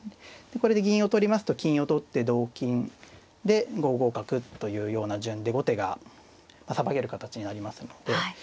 これで銀を取りますと金を取って同金で５五角というような順で後手がさばける形になりますので。